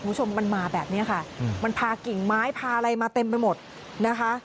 คุณผู้ชมมันมาแบบนี้ค่ะมันพากิ่งไม้พาอะไรมาเต็มไปหมดนะคะ